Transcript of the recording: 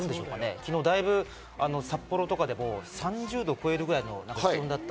昨日、だいぶ札幌とかでも３０度を超えるくらいでしたから。